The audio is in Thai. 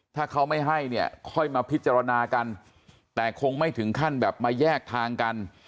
ถ้าเขาไม่ให้เนี่ยค่อยมาพิจารณากันแต่คงไม่ถึงขั้นแบบมาแยกทางกัน